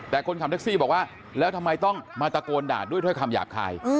แต่คนขับแท็กซี่บอกว่าแล้วทำไมต้องมาตะโกนด่าด้วยถ้อยคำหยาบคาย